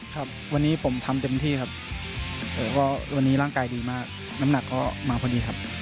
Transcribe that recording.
ครับวันนี้ผมทำเต็มที่ครับก็วันนี้ร่างกายดีมากน้ำหนักก็มาพอดีครับ